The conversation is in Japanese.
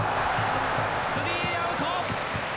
スリーアウト！